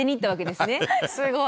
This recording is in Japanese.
すごい。